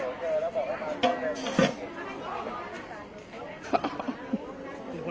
คุณเจียร์หรือครอบครับ